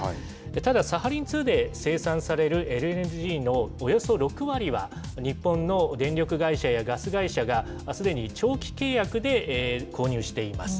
ただ、サハリン２で生産されるＬＮＧのおよそ６割は、日本の電力会社やガス会社が、すでに長期契約で購入しています。